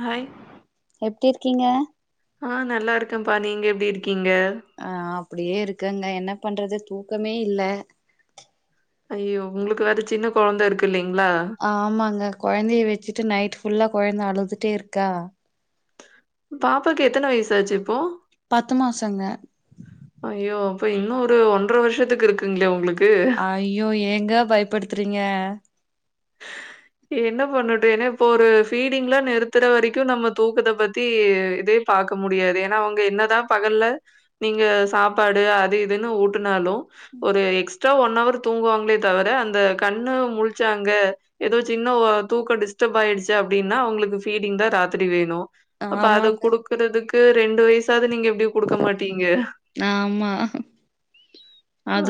Hi எப்படி இருக்கீங்க ஆஹ் நல்லா இருக்கேப்பா நீங்க எப்படி இருக்கீங்க ஆஹ் அப்படியே இருக்கு இருக்கெங்க என்ன பண்றது தூக்கமே இல்ல ஐயோ உங்களுக்கு வேற சின்ன கெழந்தை இருக்கு இல்லைய ஆமாங்க கெழந்தைய வச்சிட்டு நைட் ஃபுல்லா கெழந்த அழுதுட்டே இருக்கா பாப்பாக்கு எத்தன வயசாச்சு இப்போ பத்து மாசங்க இப்ப இன்னும் ஒரு ஒன்றரை வருஷத்துக்கு இருக்குங்களே உங்களுக்கு ஐயோ ஏங்க பயப்படுத்துறீங்க என்ன பண்ணட்டு ஏன்னா இப்போ ஒரு ஃபீடிங்லாம் நிறுத்துற வரைக்கும் நம்ம தூக்கத்தை பத்தி இதே பார்க முடியாது ஏன்னா அவங்க என்னதா பகல்ல நீங்க சாப்பாடு அது இதுன்னு ஊட்டினாலும் ஒரு முழுச்சா ஒன்னவர் தூங்குவாங்களே தவிர அந்த கண்ணு முழுச்சாங்க அங்க ஏதோ சின்ன தூக்கம் டிஸ்டர்ப் ஆயிடுச்சு அப்படின்னா உங்களுக்கு ஃபீடிங் தான் ராத்திரி வேணும் அப்ப அதை ஆமாங்க குடுக்குறதுக்கு ரெண்டு வயசாவது நீங்க எப்டி குடுக்க மாட்டீங்க? ஆமா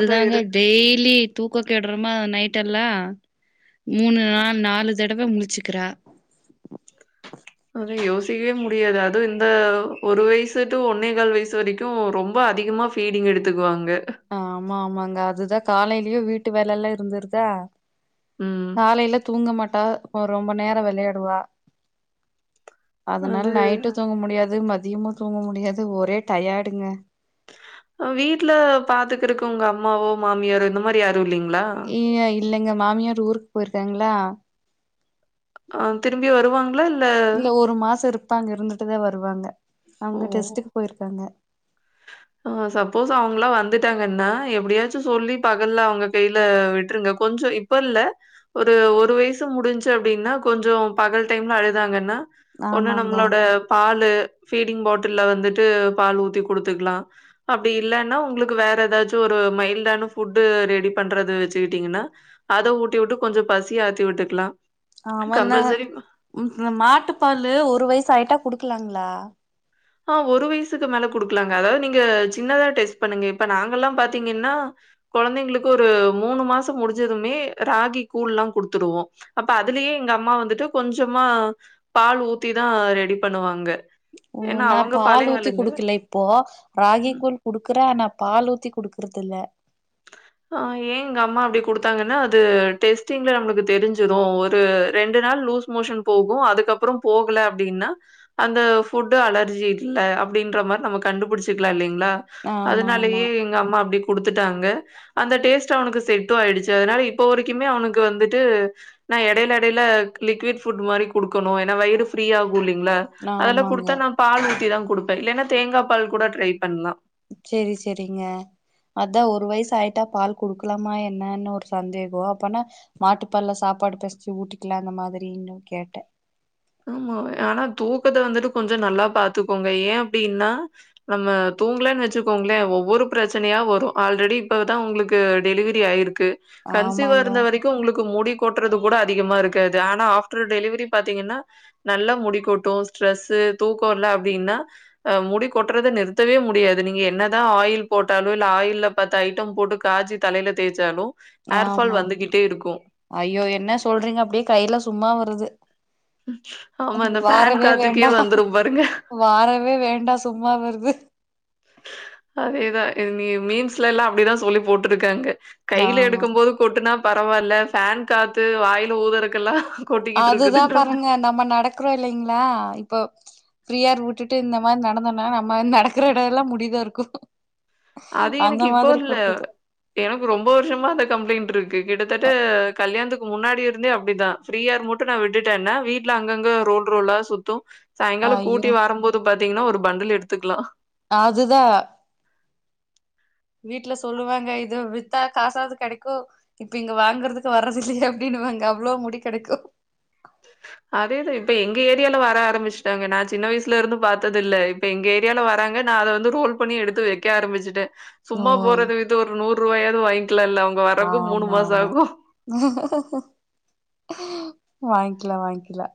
அதான் இருக் டெய்லி தூக்க கேடுறோமா நைட் எல்லாம் மூணு நாள் நாலு தடவை முடிச்சுக்கிறா அத யோசிக்கவே முடியாது அதுவும் இந்த ஒரு வயசு டு ஒன்னே கால் வயசு வரைக்கும் ரொம்ப அதிகமா ஃபீடிங் எடுத்துக்குவாங்க ஆஹ் ஆமா ஆமாங்க அதுதான் காலையிலயே வீடு விட்டு வேலை எல்லாம் இருந்துருதா ம். காலையில தூங்க மாட்ட ந்தா ரொம்ப நேரம் விளையாடுவா அது அதுனால நைட்டும் தூங்க முடியாது மத்த அதிகமா தூங்க முடியாது ஒரே டயார்டுங்க வீட்டுல பாத்துக்குறக்கு உங்க அம்மாவோ மாமியாரோ இந்த மாரிய எ இல்லலைங்க மாமியார் ஊருக்கு போயிருக்காங்களா அஹ் திரும்பி வருவாங்களா இல்ல அப்பாங்க இருந்துட்டுதான் வருவாங்க அவங்க டெஸ்டுக்கு போயிருக்காங்க ஆஹ் சப்போஸ் அவங்காம் வந்துட்டாங்கன்னா எப்படியாச்சும் சொல்லி பகல்ல அவங்க கையில விட்டுருங்க கொஞ்சம் இப்ப இல்ல ஒரு ஒரு வயசு முடிஞ்சு அப்படின்னா கொஞ்சம் பகல் டைம்ல அழுதாங்கன்னா ஒண்ணு ஆமாங்க நம்மளோட பாலு ஃபீடிங் பாட்டில்ல வந்துட்டு பால் ஊத்தி குடுத்துக்கலாம் அப்படி இல்லைன்னா உங்களுக்கு வேற ஏதாச்சும் ஒரு மைல்டான ஃபுட்டு ரெடி பண்றத வச்சுக்கிட்டீங்கன்னா அத ஊட்டி விட்டு கொஞ்சம் பசி ஆத்தி விட்டுக்கலாம் ஆமாந்தக கம்பல்சரி ம் மாட்டுப்பாலு ஒரு வயசு ஆயிட்டா குடுக்கலாங்களா ஆஹ் ஒரு வயசுக்கு மேல குடுக்கலாங்க அதாவது நீங்க சின்னதா டெஸ்ட் பண்ணுங்க இப்ப நாங்கல்லாம் பாத்தீங்கன்னா குழந்தைங்களுக்கு ஒரு மூணு மாசம் முடிஞ்சதுமே ராகி கூழ் எல்லாம் குடுத்துடுவோம் அப்ப அதுலயே எங்க அம்மா வந்துட்டு கொஞ்சமா பால் ஊத்திதான் ரெடி பண்ணுவாங்க ஓ ஏன்னா நா அவங்க பால் பழைய ஊத்தி ஆளுங்க. குடுக்கல இப்போ ராகி கோள் குடுக்குறேன் ஆனா பால் ஊத்தி குடுக்குறது இல்ல ஆஹ் ஏன் இங்க அம்மா அப்படி குடுத்தாங்கன்னா அது டெஸ்டிங்ல நம்மளுக்கு தெரிஞ்சிடும் ஒரு ரெண்டு நாள் லூஸ் மோஷன் போகும் அதுக்கப்புறம் போகல அப்படின்னா அந்த ஃபுட்டு அலர்ஜி இல்ல அப்படின்ற மாரி நம்ம கண்டுபிடிச்சிக்கலாம் இல்லைங் களா ஆமா ஆமா அதனாலயே எங்க அம்மா அப்படி கொடுத் த்துட்டாங்க அந்த டேஸ்ட் அவனுக்கு செட்டு ஆயிடுச்சு அதனால இப்போ வரைக்குமே அவனுக்கு வந்துட்டு நா இடையில இடையில லிக்விட் ஃபுட் மாரி கொடுக்கணும் ஏன்னா வயிறுஃப்ரீயக கு இல்லீங்களா அதெல்லாம் ஆமாங்க கொடுத்தா நான் பால் ஊட்டி தான் கொடுப்பேன் இல்லனா தேங்காய் பால் கூட ட்ரை பண்ணலாம் செரி செரிங்க அதான் ஒரு வயசு ஆயிட்டா பால் குடுக்கலாமா என்னன்னு ஒரு சந்தேகம் அப்பன்னா மாட்டுப்பால்ல சாப்பாடு பெசஞ்சு ஊத்திக்கலாம் அந்த மாதிரன்னும் கேட்டேன் ஆமா ஆனா தூக்கத்த வந்துட்டு கொஞ்சம் நல்லா பாத்துக்கோங்க ஏன் அப்படின்னா நம்ம தூங்கலன்னு வச்சுக்கோங்களேன் ஒவ்வொரு பிரச்சனையா வரும் ஆல்ரெடி இப்பதான் உங்களுக்கு டெலிவரி ஆயிருக் கு கன்சிவ ஆமாங்க இருந்த வரைக்கும் உங்களுக்கு மூடி கொட் கொட்றது கூட அதிகமா இருக்காது ஆனா ஆப்டர் டெலிவரி பாத்தீங்கன்னா நல்லா முடி கொட்டும் ஸ்ட்ரெஸ் தூக்கம் இல்ல அப்படின்னா அஹ் முடி கொட்டுறதை நிறுத்தவே முடியாது நீங்க என்னதான் ஆயில் போட்டாலும் இல்ல ஆயில்ல பத்து ஐட்டம் போட்டு காசி தலையில தேய்ச்சாலும் ஹேர் ஃபால் ஆமா வந்துகிட்டே இருக்கும். ஐயோ என்ன சொல்றீங்க அப்படியே கையில சும்மா வருது ஆமா, இந்த ஃபேன் வறவே காத்துக்கே வேண்டாம் வந்துரும் பாருங்க. வறவே வேண்டாம் சும்மா வருது அதேதான் நீ மீன்ஸ்ல எல்லாம் அப்படிதான் சொல்லி போட்டுருக்காங்க கையில ஆமா எடுக்கும் போது கொட்டுனா பரவாயில்ல ஃபேன் காத்து வாயில ஊதுறக்கெல்லா அதுதான் பாருங்க நம்ம நடக்கறோம் இல்லைங்களா இப்ப ஃப்ரீயா விட்டுட்டு இந்த மாரி நடந்தோம்னா நம்ம வந்து நடக்கற இடம் எல்லாம் முடித இருக்கு அது அந்த எனக்கு இப்போ மாதிரி இல்ல கொட்டுது எனக்கு ரொம்ப வருஷமா அந்த கம்ப்ளைண்டட் இருக்கு கிட்டத்தட்ட அ கல்யாணத்துக் முன்னாடி இருந்தே அப்படிதான் ஃப்ரீயா இரு மட்டும் நா விட்டுட்டே என்ன வீட்டு்ல அங்கங்க ரோல் ரோலா சுத்தும் சாயங்காலம் ஐயோ கூட்டி வரும்போது பாத் தீங்கன்னா ஒரு பண்டல் எடுத்துக்கலாம் அதுதான் வீட்ல சொல்லுவாங்க இது வித்தா காசாவது கிடைக்கும் இப்ப இங்க வாங்கறதுக்கு வர்றது இல்லையே அப்படின்னுவாங்க அவ்வளவு முடி கிடைக்கும் அதேதான் இப்ப எங்க ஏரியால வர ஆரம்பிச்சுட்டாங்க நா சின்ன வயசுல இருந்து பார்த்ததில்லை இப்ப எங்க ஏரியால வராறங்க நா அத வந்து ரோல் பண்ணி எடுத்து வைக்க ஆரம்பிச்சுட்டேன் சும்மா போறது விது ஒரு நூறு ரூபாயாவது வாங் ஆஹ் ஆமா ஆமா வாங்கிக்கல வாங்கிக்கல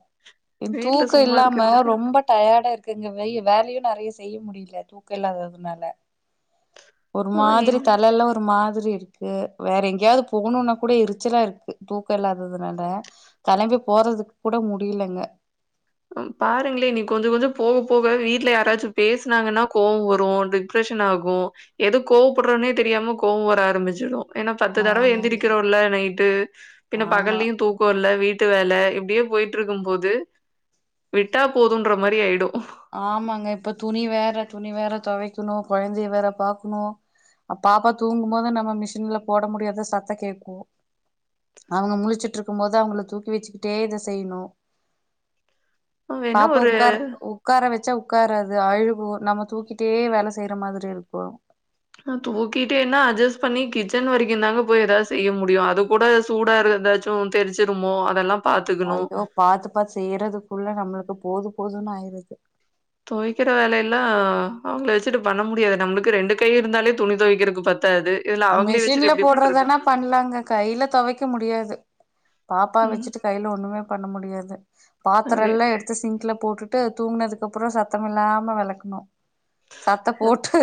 வீட்ல தூக்கம் சும்மா இல்லாம இருக்கிறதுக்கு. ரொம்ப டயர்டா இருக்குங்கய வய வேலையும் நெறைய செய்ய முடியல தூக்கம் இல்லாததுனால ஒரு ஆ மாதிரி என் தலைல்ல ஒரு மா மாதிரி இருக்கு வேற எங்கேயாவது போகணும்னா கூட எரிச்சலா இருக்கு தூக்க இல்லாததுனால தலம்பி போறதுக்கு கூட முடியலங்க பாருங்களே நீ கொஞ்ச கொஞ்சம் போக போக வீட்ல யாராச்சும் பேசினாங்கன்னா கோவம் வரும் டிப்ரஷன் ஆகும் எதுக்கு கோவப்படுறோம்னே தெரியாம கோவம் வர ஆரம்பிச்சிடும் ஏன்னா பத்து தடவை ஆமாங்க எந்திரக்கிறோம் இல்ல நைட்டு பின் ஆமா பகல்லயும் தூக்கம் இல்ல வீட் வீட்டு வேல இப்படியே போயிட்டு இருக்கும் போது விட்டா போதும்ன்ற மாரி ஆயிடும் ஆமாங்க இப்ப துணி வேற துணி வேற துவைக்கணும் குழந்தைய வேற பாார்க்கணும் அ பாப்பா தூங்கும்போது நம்ம மிஷின்ல போட முடியாத சத்த கேட்கோம் அவங்க முளிச்சுட்டு இருக்கும் போது அவங்கள தூக்கி வச்சுக்கிட்டே இத செய்யணும் வேணு ஒரு வச்ச உட்காராது அழுகும் நம்ம தூக்கிட்டே வேல செய்யற மாரி இருக்கும் ஆஹ் தூக்கிட்டே என்ன அட்ஜஸ்ட் பண்ணி கிச்சன் வரைக்கும் இருந்தாங்க போய் ஏதாவது செய்ய முடியும் அது கூட சூடா இரு ஏதாச்சும் தெரிச்சுருமோ அதெல்லாம் ஐயோ பாத்து பாத்து செய்யறதுக்குள்ள நம்மளுக்கு போது போதுன் ஆயிருது துவைக்கற வேலைய எல்லா அவங்கள வச்சுட்டு பண்ண முடியாது நம்மளுக்கு ரெண்டு கை இருந்தாலே துணி துவைக்கிறதுக்கு பத் மிஷின்ல போடுறதானா பண்ணலாங்க கையில துவைக்க முடியாது பாப்பா ம் வச்சுட்டு கையில ஒண்ணுமே பண்ண முடியாது பாத்திரம் அதே எல்லா எடுத்து சிங்கல போட்டுட்டு தூங்கினதுக்கு அப்புறம் சத்தம் இல்லாம வெளக்கணு சத்த போட்டு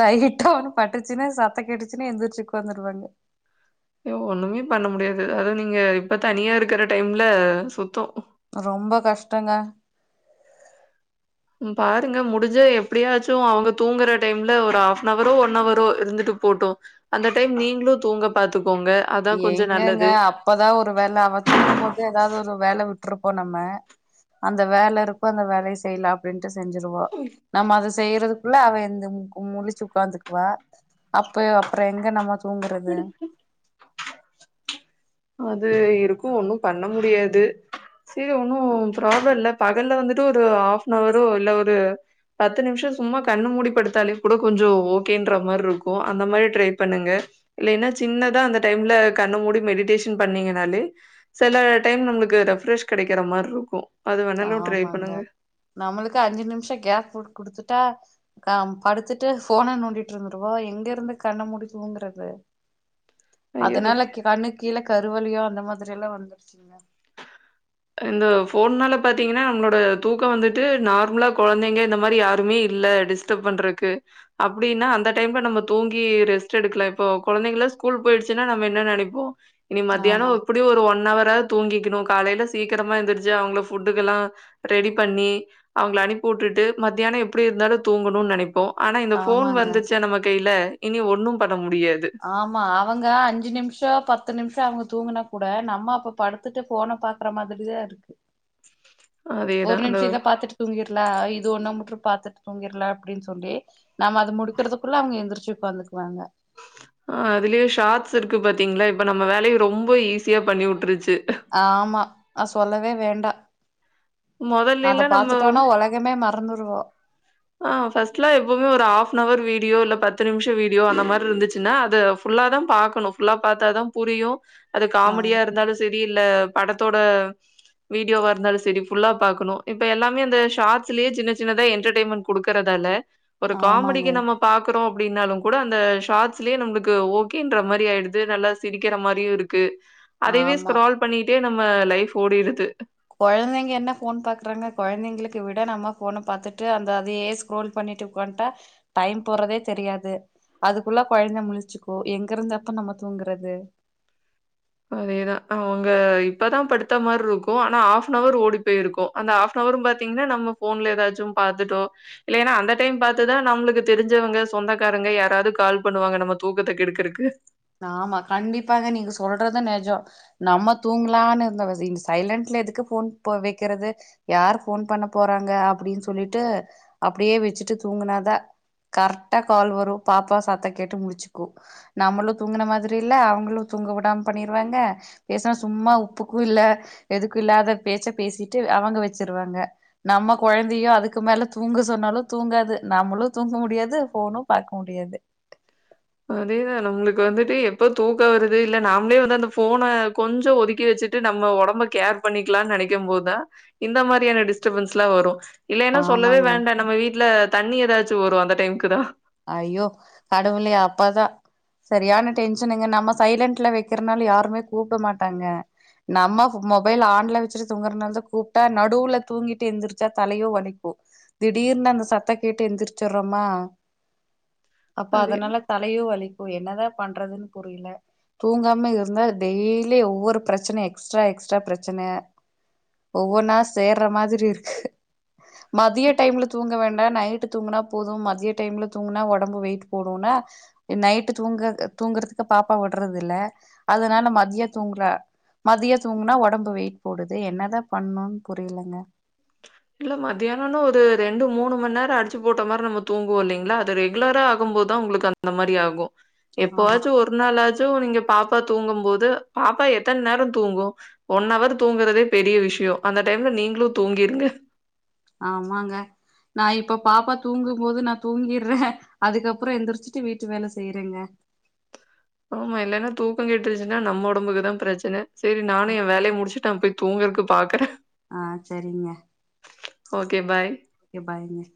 லைட்ட அவனு பட்டுச்சினு சத்த கேட்டுச் எந்திரிச்சுக்கு உட்கார்ந்துவாங்க ஒண்ணுமே பண்ண முடியாது அதுவும் நீங்க இப்ப தனியா இருக்கிற டைம்ல சுத்தம் ரொம்ப கஷ்டங்க உம் பாருங்க முடிஞ்ச எப்படியாச்சும் அவங்க தூங்குற டைம்ல ஒரு ஹாப்னவரோ ஒன் ஹரோ இருந்துட்டு போட்டோம் அந்த டைம் நீங்களும் தூங்க பாத்துக் எங்கங்க அப்பதான் ஒரு வேல அவன் தூங்கும் போது ஏதாவது ஒரு வேல விட் இருப்போம் நம்ம அந்த வேல இருப்போ அந்த வேல செய்யலாம் அப்படின்னு டு செஞ்சிருவோம் நம்ம அத செய்யறதுக்குள்ள அவ எ முழிச்சு உட்காந்துக்குவா அப்ப அப்புறம் எங்க நம்ம தூங்குறது அது இருக்கும் ஒன்னும் பண்ண முடியாது சரி ஒன்னும் பராப்ளம் இல்ல பகல்ல வந்துட்டு ஒரு ஹாப்பனவரோற இல்ல ஒரு பத்து நிமிஷம் சும்மா கண்ணு மூடி படுத்தாலும் கூட கொஞ்சம் ஓகேன்ற மாதிரி இருக்கும் அந்த மாதிரி ட்ரை பண்ணுங்க இன்ன சின்னதா அந்த டைம்ல கண்ணு மூடி மெடிடேஷன் பண்ணீங்கனாலே சில டைம் நம்மளுக்கு ரெஃப்ரஷ் கிடைக்கிற மாதிரி இருக்கும் ஆமாங்க நம்மளுக்கு அஞ்சு நிமிஷம் கேஸ் பட் குடுத்துட்டா அ படுத்துட்டு போனை நோண்டிட்டு இருந்துருவா எங்க இருந்து கண்ண முடிதூங்குங்கறது ஐயோ இந்த ஃபோ அதனால கண்ணு கீழ கருவலியோ அந்த மாதிரி எல்லாம் வந்துருச்சிங்க இந்த போன்னால பாத்தீங்கன்னா நம்மளோட தூக்கம் வந்துட்டு நார்மலா குழந்தைங்க இந்த மாதிரி யாருமே இல்லலை டிஸ்டர்ப் பண்றதுக்கு அப்படின்னா அந்த டைம்ல நம்ம தூங்கி ரெஸ்ட் எடுக்கலாம் இப்போ குழந்தைங்காம் ஸ்கூல் போயிடுச்சுன்னா நம்ம என்னன்னு நினைப்போம் இனி ஆமா மத்தியானம் இப்படி ஒரு ஒன் அவர் தூங்கிக்கணும் காலையையில் சீக்கிரமா எந்திரிச்சு அவங்கள ஃபுட்டுக்க எல்லாம் ரெடி பண்ணி அவங்களளை அனுப்பி விட்டுட்டு மத்தியானம் எப்படி இருந்தாலும் தூங்கணும்னு நினைப்ப ஆனா இந்த போன் ஆமாங்க வந்துச்ச நம்ம கையில இனி ஒண்ணும் ப ஆமா அவங்க அஞ்சு நிமிஷம் பத்து நிமிஷம் அவங்க தூங்கினா கூட நம்ம அப்ப படுத்துட்டு போன பாக்குற மாதிரி தான் இருக்கு ஒரு அதேதான். அந்த நிமிஷம் இத பாத்துட்டு தூங்கில இது ஒண்ணா மு பாத்துட்டு தூங்கிடல அப்டி சொல்லி நம்ம அத முடிக்கறிறதுக்குள்ள அவங்க எந்திரச்சு உட்காந்துக்குவாங்க ஆஹ் அதுலயே ஷார்ட்ஸ் இருக்கு பாத்தீங்களா இப்ப நம்ம வேலைய ரொம்ப ஈஸியா பண்ணி உட்டுருச்சு. ஆமா ந சொல்லவே வேண்டாம் அத மொதல்லேலாம் பாத்துட்டோனா உலகமே மறந்துடுவோ ஆஹ் பஃர்ஸ்ட்லாம எப்பவுமே ஒரு ஹாஃப் அவர் வீடியோ இல்ல பத்து நிமிஷம் வீடியோ அந்த மாதிரி இருந்துச்சுன்னா அதது ஃபுல்லாதான் பாக்கணும் ஃபுல்லா பார்த்தாதான் புரியும் அது ஆ காமெடியா இருந்தாலும் செ ரி இல்ல படத்தோட வீடியோ வ இருந்தாலும் செரி புுல்லா பாக்கணும் இப்ப எல்லாமே அந்த ஷார்ட்ஸ்லயே சின்ன சின்னதா என்டர்டெயமெண்ட் குடுக்குறதால ஒரு ஆமாங்க காமெடிக்கு நம்ம பாக்குறோ அப்படின்னாலும் கூட அந்த ஷாட்ஸ்லயே நம்மளுக்கு ஓகேன்ற மாதிரி ஆயிடுது நல்லா சிரிக்கிற மாதிரியும் இருக்கு அதைவே ஆமா ஸ்க்ரால் பண்ணிக் கே நம்ம லைஃப் ஓடிடுது குழந்தைங்க என்ன போன் பாக்குறாங்க குழந்தைங்களுக்கு விட நம்ம போனை பாரத்துட்டு அந்த அதையே ஸ்கரோல் பண்ணிட்டு உக்கட்டா டைம் போறதே தெரியாது அதுக்குள்ள குழந்த முழச்சுக்கோ எங்க இருந்து அப்ப நம்ம தூங்குறது அதேதான் அவங்க இப்பதான் படுத்த மாதிரி இருக்கும் ஆனா ஹாப்னவர் ஓடி போயிருக்கும் அந்த ஹாப்ரும் பாத்தீங்கன்னா நம்ம போன்ல ஏதாச்சும் பாாரத்துட்டோம் இல்லலை ஏன்னா அந்த டைம் பார்த்ததான் நம்மளுக்கு தெரிஞ்சவங்க சொந்தக்காரங்க யாராவது கால் பண்ணுவாங்க நம்ம தூக்கத்தை கெடுக்கறக்கு ஆமா கண்டிப்பாங்க நீங்க சொல்றத நஜம் நம்ம தூங்கலான்னு இருந்த சைலன்ட்ல எதுக்கு போன் வைக்கிறது யார் போன் பண்ண போறாங்க அப்படின்னு சொல்லிட்டு அப்படியே வச்சுட்டு தூங்கினாதான் கரெக்டா கால் வரும் பாப்பா சத்த கேட்டு முடிச்சுக்கும் நம்மளும் தூங்கின மாதிரி இல்ல அவங்களும் தூங்க விடாம பண்ணிருவாங்க பேசனா சும்மா துப்புக்கும் இல்ல எதுக்கும் இல்லாத பேச்ச பேசிட்டு அவங்க வச்சிருவாங்க நம்ம குழந்தையோ அதுக்கு மேல தூங்கு சொன்னாலும் தூங்காது நம்மளும் தூங்க முடியாது போனும் பாக்க முடியாது அதேதான் நம்மளுக்கு வந்துட்டு எப்ப தூக்கம் வருது இல்ல நாமளே வந்து அந்த போனை கொஞ்சம் ஒதுக்கி வச்சுட்டு நம்ம உடம்ப கேர் பண்ணிக்கலாம்னு நினைக்கும் போது தான் இந்த மாதிரியான டிஸ்டபன்ஸ் எல்லாம் வரும் இல்ல ஏன்னா சொல்லவே ஆமாங்க. வேண்டம் நம்ம வீட்டுல தண்ணி ஏதாச்சும் வரும் அந்த டைமுக்கு தான் அஐயோ கடவு அப்பாதான் சரியான டென்ஷனுங்க நம்ம சைலன்ட்ல வைக்கறனாலும் யாருமே கூப்பிட மாட்டாங்க நம்ம மொபைல் ஆன்ல வச்சுட்டு தூங்குறனால தான் கூப்பிட்டா நடுவுல தூங்கிட்டு எந்திரிச்சா தலையோ வாலிக்கும் திடீர்னு அந்த சத்த கேட்டு எழுந்திரிச்சிடுறோமா அப்பா அதனாலோ அதேதான். தலையோ வலி இப்ப என்னதான் பண்றதுன்னு புரியல தூங்காம இருந்தா டெய்லியே ஒவ்வொரு பிரச்சன எக்ஸ்ட்ரா எக்ஸ்ட்ரா பிரச்சன ஒவ்வொன்ன சோர மாதிரி இருக்கு மதியா டைம்ல தூங்க வேண் நைட்டு தூங்கினா போதும் மதியா டைம்ல தூங்கினா உடம்பு வெயிட் போடும்னா நைட்டு தூங்க தூங்குறதுக்கு பாப்பா விடுறது இல்ல அதனால மதியம் தூங்கல மதியம் தூங்கனா உடம்பு வெயிட் போடுது என்னதான் பண்ணணும் புரியலங்க இல்ல மத்தியானம்ன்ன ஒரு ரெண்டு மூணு மணி நேரம் அடிச்சு போட்ட மாரி நம்ம தூங்குவோம் இல்லங்களா அது ரெகுலரா ஆகும் போது தான் உங்களுக்கு அந்த மாதிரி ஆகும் எப்போ ஆமா ஆச்சும் ஒரு நாள்லா ச்சும் து நீங்க பாப்பா தூங்கும்போது பாப்பா எத்தன நேரம் தூங்கும் ஒன் அவர் தூங்குறதே பெரிய விஷயம் அந்த டைம்ல நீங்களும் தூங்கிருங்க ஆமாங்க நா இப்ப பாப்பா தூங்கும்போது நா தூங்கடுறேன் அதுக்கப்புறம் எந்திரிச்சுட்டு வீட்டு வேல செய்யறேங்க ஆமா இல்லைன்னா தூக்கம் கேட்டு ருச்சுன்னா நம்ம உடம்புக்கு தான் பிரச்சன சரி நானும் என் வேலைய முடிச்சு நா போய் தூங்கறதுக்கு பாக்குறேன் ஆஹ் சேரிங்க ஓகே பாய் ஓகே பாய்ங்க